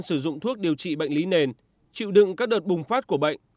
sử dụng thuốc điều trị bệnh lý nền chịu đựng các đợt bùng phát của bệnh